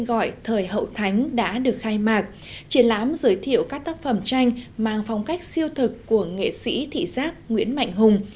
gọi thời hậu thánh đã được khai mạc triển lãm giới thiệu các tác phẩm tranh mang phong cách siêu thực của nghệ sĩ thị giác nguyễn mạnh hùng